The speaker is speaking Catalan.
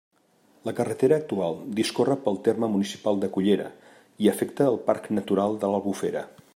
La carretera actual discorre pel terme municipal de Cullera, i afecta el Parc Natural de l'Albufera.